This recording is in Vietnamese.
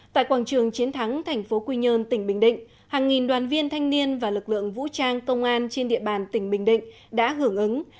tại quảng trường chiến thắng tp quy nhơn tỉnh bình định hàng nghìn đoàn viên thanh niên và lực lượng vũ trang công an trên địa bàn tỉnh bình định đã hưởng ứng